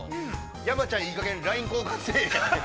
山ちゃん、いいかげん、ライン交換せえへん？